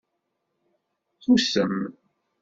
Tusem.